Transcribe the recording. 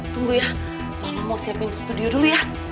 tunggu ya mama mau siapin studio dulu ya